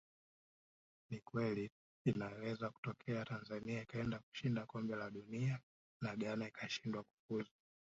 Ni kweli inaweza kutokea Tanzania ikaenda katika Kombe la Dunia na Ghana ikishindwa kufuzu